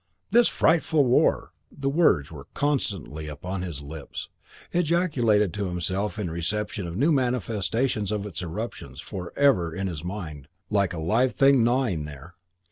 "This frightful war!" The words were constantly upon his lips, ejaculated to himself in reception of new manifestations of its eruptions; forever in his mind, like a live thing gnawing there.